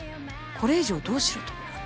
これ以上どうしろと？